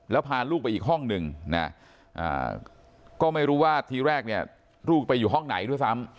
แล้วพาลูกไปอีกห้องหนึ่งนะก็ไม่รู้ว่าทีแรกเนี่ยลูกไปอยู่ห้องไหนด้วยซ้ำ